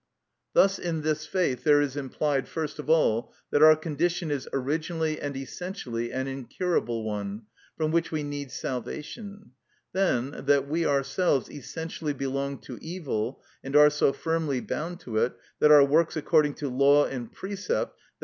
Thus in this faith there is implied, first of all, that our condition is originally and essentially an incurable one, from which we need salvation; then, that we ourselves essentially belong to evil, and are so firmly bound to it that our works according to law and precept, _i.